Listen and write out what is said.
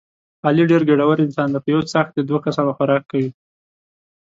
علي ډېر ګېډور انسان دی په یوه څاښت د دوه کسانو خوراک کوي.